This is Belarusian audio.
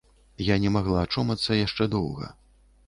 Я не магла ачомацца яшчэ доўга.